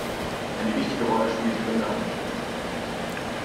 Eine wichtige Rolle spielt die Rinderhaltung.